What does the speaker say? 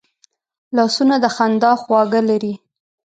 لاسونه د خندا خواږه لري